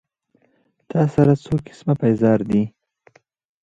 تا سره څو قسمه پېزار دي